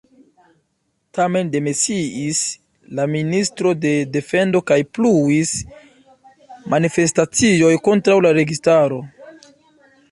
Tamen demisiis la Ministro de Defendo kaj pluis manifestacioj kontraŭ la registaro.